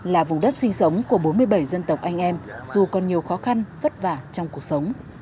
là vùng đất sinh sống của bốn mươi bảy dân tộc anh em dù còn nhiều khó khăn vất vả trong cuộc sống